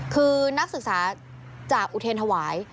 คือนักศึกษาจากอุเทรนธวาย